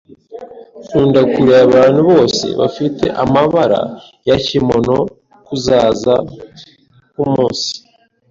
Nkunda kureba abantu bose bafite amabara ya kimonos kuzaza kwumunsi.